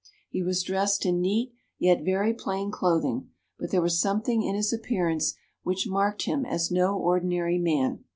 He was dressed in neat yet very plain clothing, but there was something in his appearance which marked him as no ordinary man.